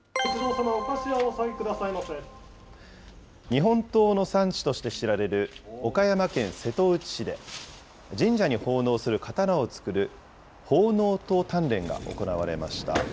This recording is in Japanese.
日本刀の産地として知られる岡山県瀬戸内市で、神社に奉納する刀を作る奉納刀鍛錬が行われました。